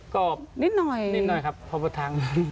ก็นิดหน่อยครับพอประทางนั้น